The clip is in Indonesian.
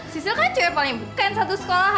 sisil kan cewek paling bukan satu sekolahan